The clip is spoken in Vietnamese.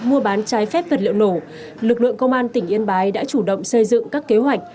mua bán trái phép vật liệu nổ lực lượng công an tỉnh yên bái đã chủ động xây dựng các kế hoạch